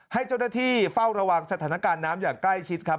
ให้เจ้าหน้าที่เฝ้าระวังสถานการณ์น้ำอย่างใกล้ชิดครับ